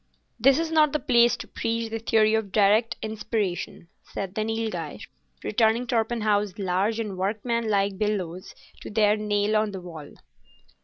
"This is not the place to preach the theory of direct inspiration," said the Nilghai, returning Torpenhow's large and workmanlike bellows to their nail on the wall.